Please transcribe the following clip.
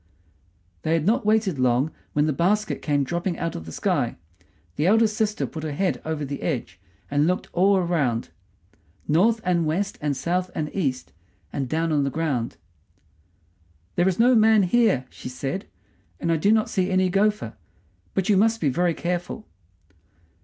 They had not waited long when the basket came dropping down out of the sky. The eldest sister put her head over the edge, and looked all around, north and west and south and east and down on the ground. "There is no man here," she said, "and I do not see any gopher; but you must be very careful."